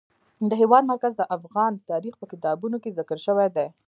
د هېواد مرکز د افغان تاریخ په کتابونو کې ذکر شوی دي.